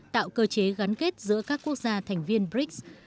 tạo cơ chế gắn kết giữa các quốc gia thành viên brics